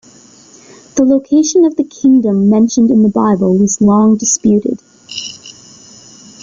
The location of the kingdom mentioned in the Bible was long disputed.